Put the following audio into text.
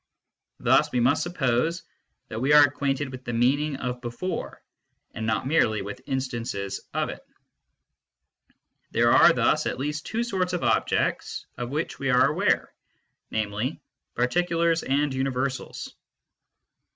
Thus we must suppose that we are acquainted with the meaning of " before," and not merely with instances of it. v There are thus at least, two sorts of objects of which we are aware, namely, particulars and universals.